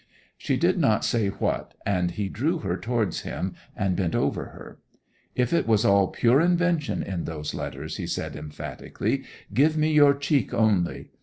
She did not say what, and he drew her towards him, and bent over her. 'If it was all pure invention in those letters,' he said emphatically, 'give me your cheek only.